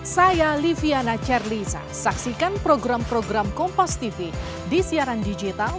saya liviana charliza saksikan program program kompas tv di siaran digital